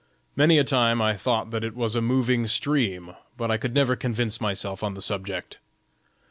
Many a time I thought that it was a moving stream, but I could never convince myself on the subject.